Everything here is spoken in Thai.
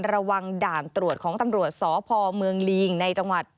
ด่านตรวจของตำรวจสพเมืองลิงในจังหวัด